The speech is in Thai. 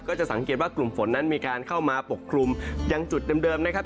จะสังเกตว่ากลุ่มฝนนั้นมีการเข้ามาปกคลุมยังจุดเดิมนะครับ